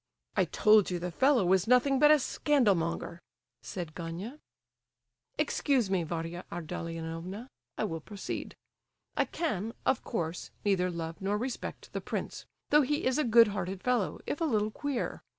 "I told you the fellow was nothing but a scandal monger," said Gania. "Excuse me, Varia Ardalionovna, I will proceed. I can, of course, neither love nor respect the prince, though he is a good hearted fellow, if a little queer.